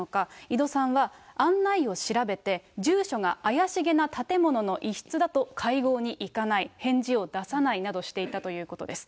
井戸さんは、案内を調べて、住所が怪しげな建物の一室だと会合に行かない、返事を出さないなどしていたということです。